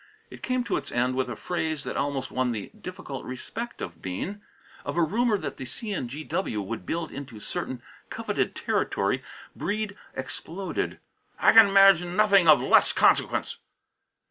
It came to its end with a phrase that almost won the difficult respect of Bean. Of a rumour that the C. & G.W. would build into certain coveted territory Breede exploded: "I can imagine nothing of less consequence!"